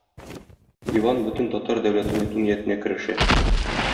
Иван бөтен татар дәүләтен йоту ниятенә керешә.